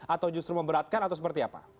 atau justru memberatkan atau seperti apa